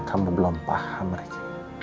kamu belum paham ricky